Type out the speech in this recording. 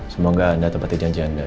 semoga anda tepati janji anda